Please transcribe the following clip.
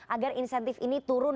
agar insentif ini turun